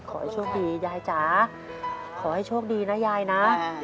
ขอให้โชคดียายจ๋าขอให้โชคดีนะยายนะ